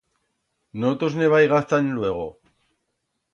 No tos ne vaigaz tan luego.